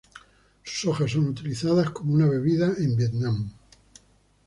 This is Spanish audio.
Sus hojas son utilizadas como una bebida en Vietnam.